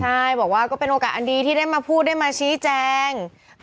ใช่บอกว่าก็เป็นโอกาสอันดีที่ได้มาพูดได้มาชี้แจง